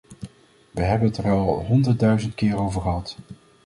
We hebben het er al honderdduizend keer over gehad.